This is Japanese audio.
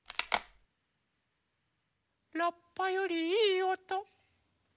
ラッパよりいいおと。